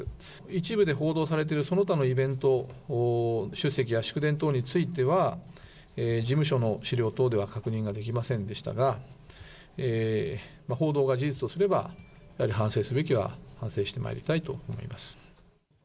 一部で報道されているその他のイベント出席や祝電等については、事務所の資料等では確認ができませんでしたが、報道が事実とすれば、やはり反省すべきは反省してまいりたいと思います。